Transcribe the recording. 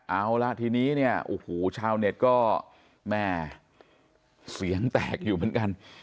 เอาละทีนี้เนี่ยโอ้โหชาวเน็ตก็แม่เสียงแตกอยู่เหมือนกัน